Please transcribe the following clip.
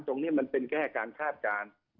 ทรงนี้มันเป็นแก้การทาบการ